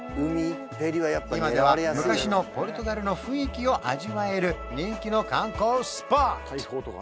今では昔のポルトガルの雰囲気を味わえる人気の観光スポット！